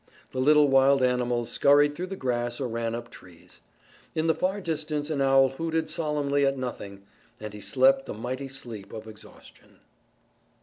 The little wild animals scurried through the grass or ran up trees. In the far distance an owl hooted solemnly at nothing, and he slept the mighty sleep of exhaustion.